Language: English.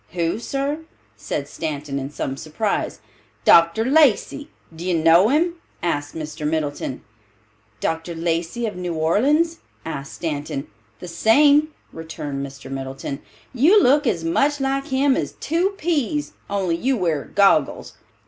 "Who, sir?" said Stanton in some surprise. "Dr. Lacey. D'ye know him?" asked Mr. Middleton. "Dr. Lacey of New Orleans?" asked Stanton. "The same," returned Mr. Middleton. "You look as much like him as two peas, only you wear goggles.